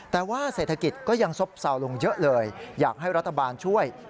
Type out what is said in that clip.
แต่ว่าเศรษฐกิจก็ยังซบเซาลงเยอะเลยอยากให้รัฐบาลช่วย